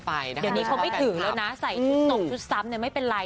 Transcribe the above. เดี๋ยวนี้เขาไม่ถืออยู่เลยนะเสียหนกจุดซ้ำไม่เป็นไร